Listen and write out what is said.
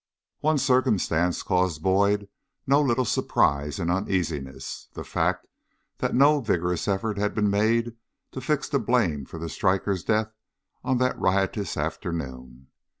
One circumstance caused Boyd no little surprise and uneasiness the fact that no vigorous effort had been made to fix the blame for the striker's death on that riotous afternoon.